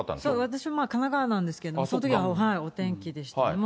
私、神奈川なんですけど、そのときはお天気でした。